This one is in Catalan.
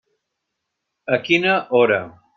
A quina hora?